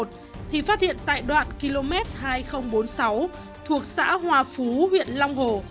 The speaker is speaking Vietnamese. thì phát hiện tại đoạn km hai nghìn bốn mươi sáu thuộc xã hòa phú huyện long hồ